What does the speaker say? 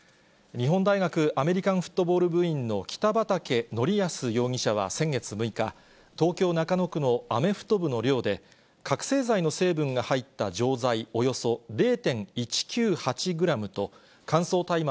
日本大学アメリカンフットボール部員の北畠成文容疑者は先月６日、東京・中野区のアメフト部の寮で、覚醒剤の成分が入った錠剤およそ０．１９８グラムと、乾燥大麻